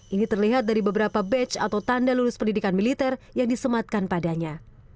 ini terlihat dari beberapa batch atau tanda lulus pendidikan militer yang disematkan padanya